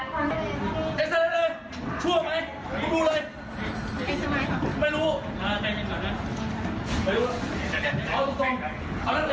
สิ่งนี้เป็นกฎหมายไหมสิ่งนี้เป็นกฎหมายไหม